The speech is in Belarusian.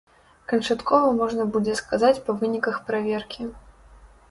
Канчаткова можна будзе сказаць па выніках праверкі.